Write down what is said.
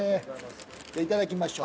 じゃあいただきましょう。